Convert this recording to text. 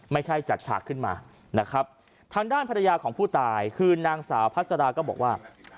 จัดฉากขึ้นมานะครับทางด้านภรรยาของผู้ตายคือนางสาวพัสราก็บอกว่า